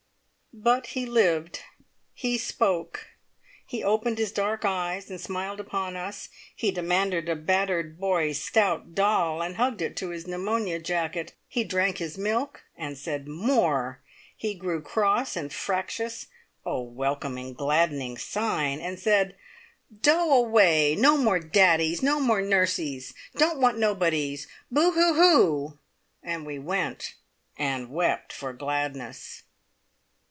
But he lived; he spoke; he opened his dark eyes and smiled upon us; he demanded a battered "boy stout" doll, and hugged it to his pneumonia jacket; he drank his milk, and said "More!" he grew cross and fractious oh, welcome, gladdening sign! and said, "Doe away! No more daddies! No more nursies! Don't want nobodies! Boo hoo hoo!" and we went and wept for gladness.